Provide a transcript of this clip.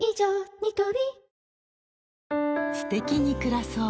ニトリ